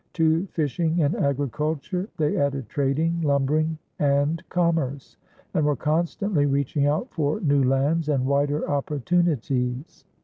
To fishing and agriculture they added trading, lumbering, and commerce, and were constantly reaching out for new lands and wider opportunities.